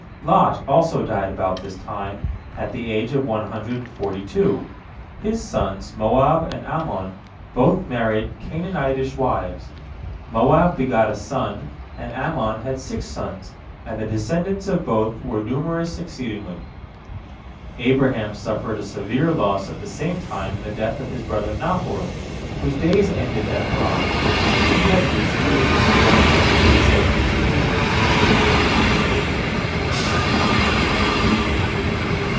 Lot also died about this time, at the age of one hundred and forty two. His sons, Moab and Ammon, both married Canaanitish wives. Moab begot a son, and Ammon had six sons, and the descendants of both were numerous exceedingly. Abraham suffered a severe loss at the same time in the death of his brother Nahor, whose days ended at Haran, when he had reached the age of one hundred and seventy two years.